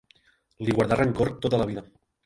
Li guardà rancor tota la vida.